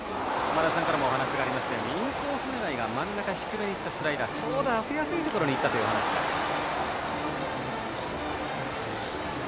前田さんからもお話があったようにインコース狙いが真ん中低めにいったスライダーでちょうど当てやすいところにいったというお話がありました。